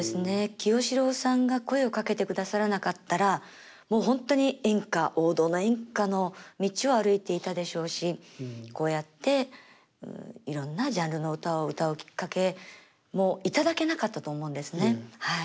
清志郎さんが声をかけてくださらなかったらもう本当に演歌王道の演歌の道を歩いていたでしょうしこうやっていろんなジャンルの歌を歌うきっかけも頂けなかったと思うんですねはい。